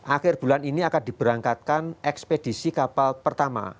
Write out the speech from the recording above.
akhir bulan ini akan diberangkatkan ekspedisi kapal pertama